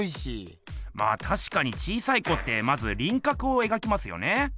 あたしかに小さい子ってまずりんかくをえがきますね。